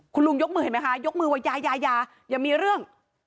คุณลุงยกมือเห็นไหมคะยกมือว่ายายาอย่ามีเรื่อง